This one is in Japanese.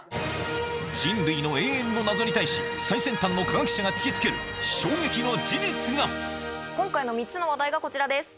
人類の永遠の謎に対し最先端の科学者が突き付ける衝撃の事実が今回の３つの話題がこちらです。